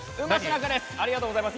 ありがとうございます。